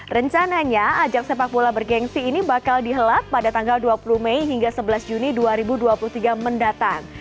rencananya ajak sepak bola bergensi ini bakal dihelat pada tanggal dua puluh mei hingga sebelas juni dua ribu dua puluh tiga mendatang